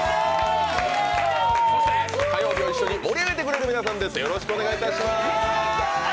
そして火曜日を一緒に盛り上げてくれる皆さんです。